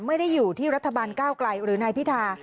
ไม่ได้อยู่ที่รัฐบาลก้าวไกลหรือนายพิธา